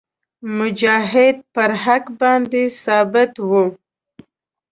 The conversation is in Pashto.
مجاهد په حق باندې ثابت وي.